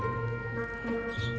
tunggu bentar ya kakak